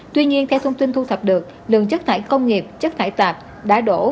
tuy nhiên theo thông tin thu thập được lường chất thải công nghiệp chất thải tạp đã đổ